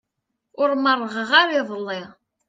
Ur merrɣeɣ ara iḍelli.